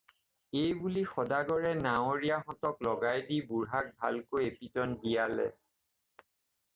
এইবুলি সদাগৰে নাৱৰীয়াহঁতক লগাই দি বুঢ়াক, ভালকৈ এপিটন দিয়ালে।